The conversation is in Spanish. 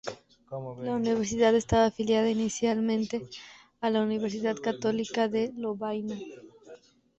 La universidad estaba afiliada inicialmente a la Universidad Católica de Lovaina.